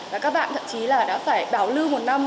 và các bạn thậm chí là đã phải bảo lưu một năm